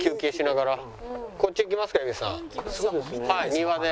庭で。